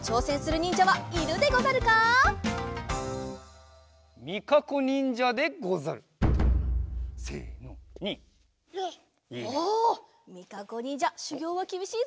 ニン！おみかこにんじゃしゅぎょうはきびしいぞ。